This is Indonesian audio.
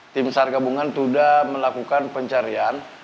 tim sargabungan sudah melakukan pencarian